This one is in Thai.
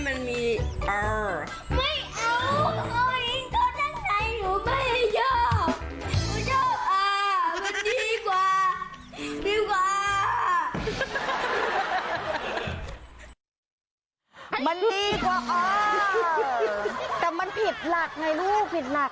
มันดีกว่าแต่มันผิดหลักไงลูกผิดหลัก